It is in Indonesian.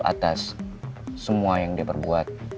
atas semua yang dia perbuat